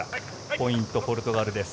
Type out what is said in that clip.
ポイント、ポルトガルです。